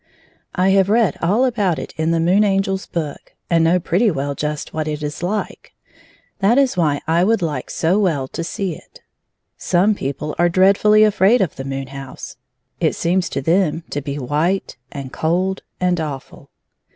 I have read all about it in the Moon Angel's book, and know pretty well j ust what it is Kke — that is why I would like so well to see it Some people are dreadfully afraid of the moon house ; it seems to them to be whit« and cold and awful.